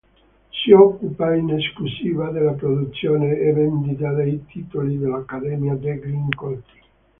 Si occupa in esclusiva della produzione e vendita dei titoli dell'Accademia degli Incolti.